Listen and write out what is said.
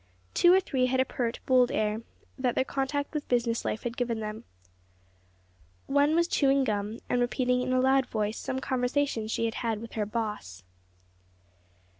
Two or three had a pert, bold air, that their contact with business life had given them. One was chewing gum and repeating in a loud voice some conversation she had had with her "boss."